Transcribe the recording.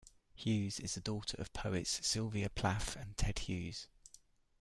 Hughes is the daughter of poets Sylvia Plath and Ted Hughes.